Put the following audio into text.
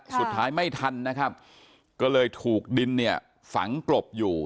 สุดท้ายไม่ทันนะครับก็เลยถูกดินเนี่ยฝังกลบอยู่